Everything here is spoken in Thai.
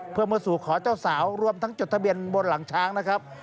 เพื่อมาสู่ขอเจ้าสาวรวมทั้งจดทะเบียนบนหลังช้างนะครับ